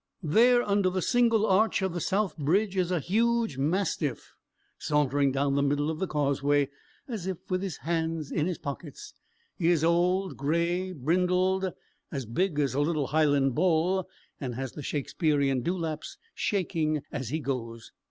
There, under the single arch of the South Bridge, is a huge mastiff, sauntering down the middle of the causeway, as if with his hands in his pockets: he is old, gray, brindled, as big as a little Highland bull, and has the Shakespearian dewlaps shaking as he goes.